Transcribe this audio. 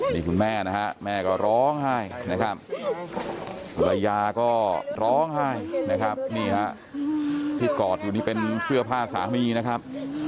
นี่คุณแม่นะฮะแม่ก็ร้องไห้นะครับภรรยาก็ร้องไห้นะครับนี่ฮะที่กอดอยู่นี่เป็นเสื้อผ้าสามีนะครับ